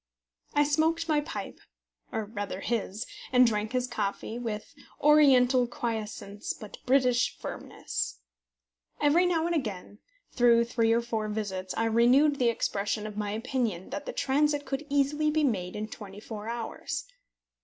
I smoked my pipe, or rather his, and drank his coffee, with oriental quiescence but British firmness. Every now and again, through three or four visits, I renewed the expression of my opinion that the transit could easily be made in twenty four hours.